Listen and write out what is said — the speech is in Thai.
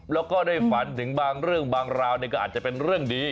แล้วก็ได้ฝันถึงบางเรื่องบางราวก็อาจจะเป็นเรื่องดี